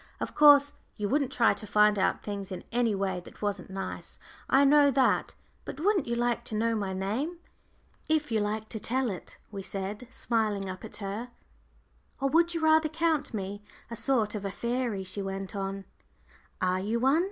Of course you wouldn't try to find out things in any way that wasn't nice, I know that. But wouldn't you like to know my name?" "If you like to tell it," we said, smiling up at her. "Or would you rather count me a sort of a fairy?" she went on. "Are you one?"